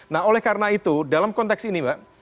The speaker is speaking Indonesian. nah oleh karena itu dalam konteks ini mbak